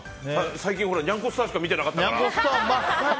最近俺、にゃんこスターしか見てなかったから。